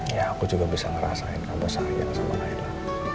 ya aku juga bisa ngerasain kamu sayang sama nailah